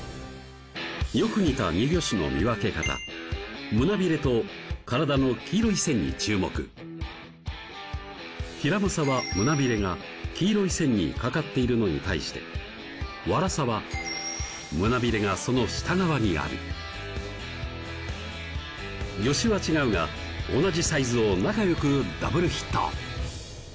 よく似た２魚種の見分け方胸ビレと体の黄色い線に注目ヒラマサは胸ビレが黄色い線にかかっているのに対してワラサは胸ビレがその下側にある魚種は違うが同じサイズを仲よくダブルヒット！